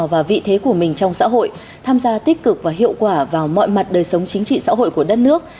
và vị thế của mình trong xã hội tham gia tích cực và hiệu quả vào mọi mặt đời sống chính trị xã hội của đất nước